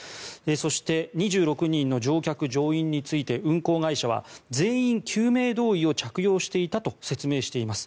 そして２６人の乗客・乗員について運航会社は全員、救命胴衣を着用していたと説明しています。